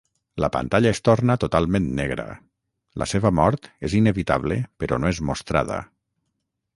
La pantalla es torna totalment negra, la seva mort és inevitable però no és mostrada.